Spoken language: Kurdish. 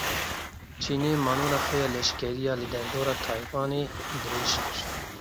Çînê manora xwe ya leşkerî ya li derdora Taywanê dirêj kir.